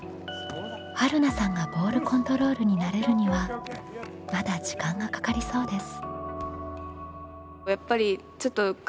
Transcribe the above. はるなさんがボールコントロールに慣れるにはまだ時間がかかりそうです。